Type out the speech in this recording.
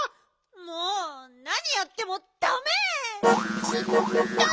もうなにやってもダメ！